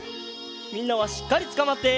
みんなはしっかりつかまって。